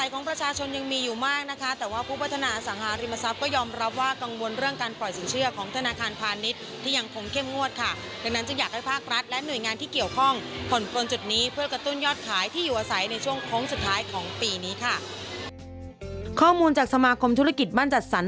ข้อมูลจากสมาคมธุรกิจบ้านจัดสรร